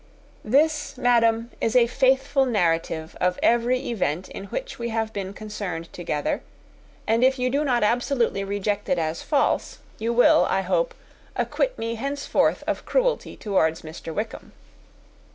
This, madam, is a faithful narrative of every event in which we have been concerned together; and if you do not absolutely reject it as false, you will, I hope, acquit me henceforth of cruelty towards Mr. Wickham.